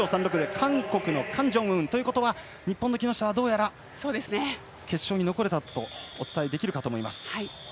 韓国のカン・ジョンウン。ということは日本の木下はどうやら決勝に残れたとお伝えできるかと思います。